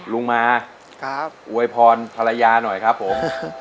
ลุงมาอวยพรภรรยาหน่อยครับผม